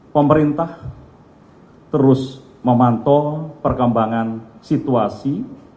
pemerintah terus memantau perkembangan situasi